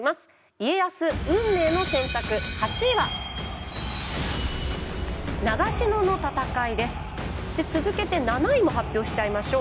家康運命の選択８位は？で続けて７位も発表しちゃいましょう。